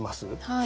はい。